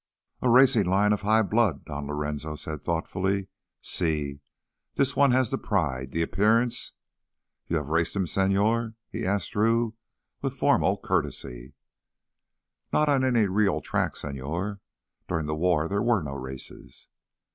"A racing line of high blood," Don Lorenzo said thoughtfully. "Sí, this one has the pride, the appearance. You have raced him, señor?" he asked Drew with formal courtesy. "Not on any real track, señor. During the war there were no races."